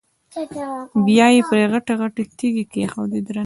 بیا یې پرې غټې غټې تیږې کېښودې درنې.